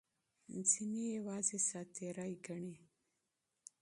ځینې یې یوازې ساعت تېرۍ ګڼي.